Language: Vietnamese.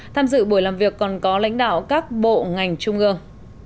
tham dự buổi làm việc còn có lãnh đạo các bộ ngành trung ương